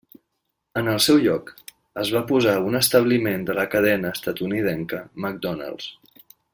En el seu lloc, es va posar un establiment de la cadena estatunidenca McDonald's.